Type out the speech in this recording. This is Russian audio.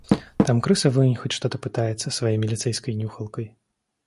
Там крыса вынюхать что-то пытается своей милицейской нюхалкой.